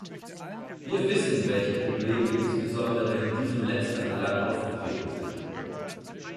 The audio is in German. Wir wissen, welche Probleme insbesondere in diesem letzteren Land aufgetreten sind.